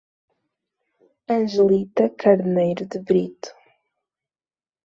Angelita Carneiro de Brito